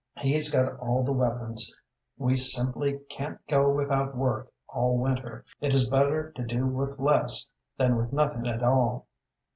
He's got all the weapons. We simply can't go without work all winter. It is better to do with less than with nothing at all.